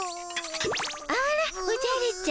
あらおじゃるちゃん。